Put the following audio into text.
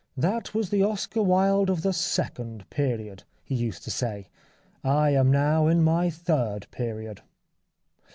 " That was the Oscar Wilde of the second period," he used to say, " I am now in my third period."